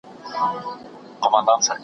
تل یې لاس د خپل اولس په وینو سور وي